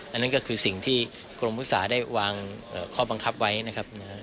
นั่นก็คือสิ่งที่กรมพุทธาได้วางข้อบังคับไว้นะครับ